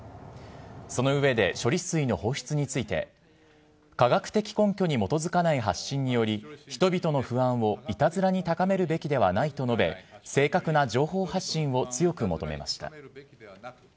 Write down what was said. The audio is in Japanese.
その上で処理水の放出について、科学的根拠に基づかない発信により、人々の不安をいたずらに高めるべきではないと述べ、正確な情報発信を強く求めました。